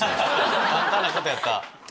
簡単なことやった。